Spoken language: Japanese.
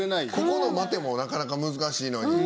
ここの待てもなかなか難しいのに。